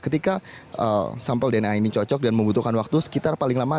ketika sampel dna ini cocok dan membutuhkan waktu sekitar paling lama